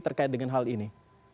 terkait dengan hal ini